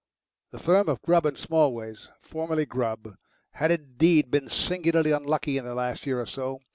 The firm of Grubb & Smallways, formerly Grubb, had indeed been singularly unlucky in the last year or so.